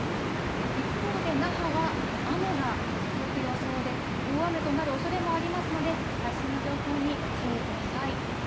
一方で、那覇は雨が続く予想で、大雨となるおそれもありますので、最新の情報にご注意ください。